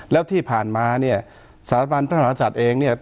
แล้วที่ผ่านมาเนี่ยสรรพาณพระนาศาสตร์เองเนี่ย